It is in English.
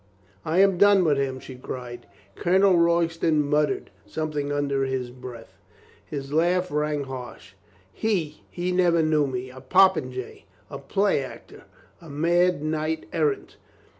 "I ,am done with him," she cried. Colonel Royston muttered something under his breath. Her laugh rang harsh. "He! He never knew me — a popinjay, a play actor, a mad knight errant.